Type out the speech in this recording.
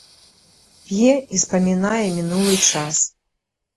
П'е і спамінае мінулы час.